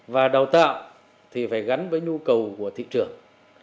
và đào tạo thì phải gắn với nhu cầu của thị trường